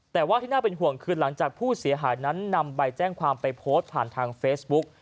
แต่ว่าที่น่าเป็นห่วงคือหลังจากผู้เสียหายนั้นนำใบแจ้งความไปโพสต์ผ่านทางเฟซบุ๊ก